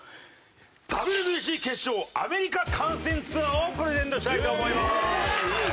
ＷＢＣ決勝アメリカ観戦ツアーをプレゼントしたいと思います。